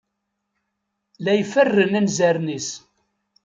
La iferren anzaren-is.